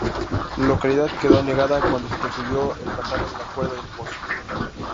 La localidad quedó anegada cuando se construyó el pantano de la Cuerda del Pozo.